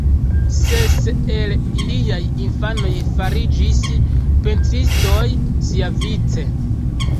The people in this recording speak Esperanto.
Ses el iliaj infanoj fariĝis pentristoj siavice.